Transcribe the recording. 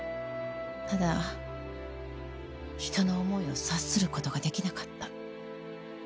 ただ人の思いを察する事ができなかった。